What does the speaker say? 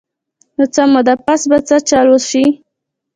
نو څۀ موده پس به څۀ چل اوشي -